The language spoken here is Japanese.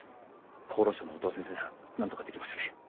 厚労省の音羽先生なら何とかできますよね